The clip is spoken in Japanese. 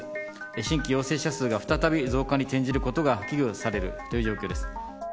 新規陽性者数が再び増加に転じることが危惧されるという状況です。